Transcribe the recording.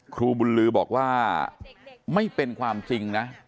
ครูบุญลือบอกว่าไม่เป็นความจริงนะ